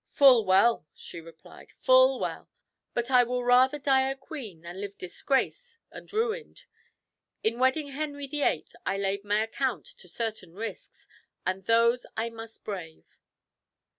"Full well," she replied "full well; but I will rather die a queen than live disgrace and ruined. In wedding Henry the Eighth, I laid my account to certain risks, and those I must brave."